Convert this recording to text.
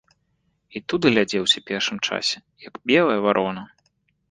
І тут глядзеўся першым часе як белая варона.